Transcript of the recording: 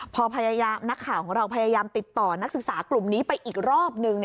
พอนักข่าวของเราพยายามติดต่อนักศึกษากลุ่มนี้ไปอีกรอบนึง